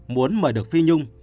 muốn mời được phi nhung